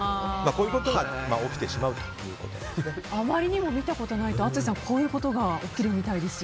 こういうことがあまりにも見たことがないと淳さん、こういうことが起きるみたいです。